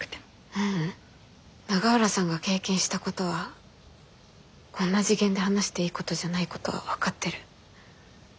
ううん永浦さんが経験したことはこんな次元で話していいことじゃないことは分かってる。